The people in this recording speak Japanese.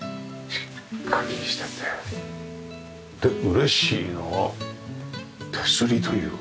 嬉しいのは手すりというか。